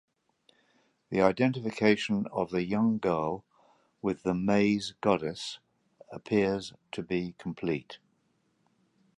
The identification of the young girl with the Maize Goddess appears to be complete.